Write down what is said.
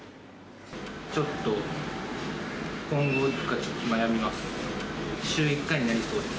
ちょっと今後行くかちょっと悩みます。